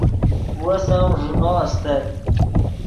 وس ام ݱینو استت